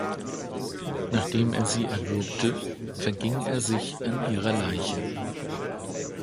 Nachdem er sie erwürgte, verging er sich an ihrer Leiche.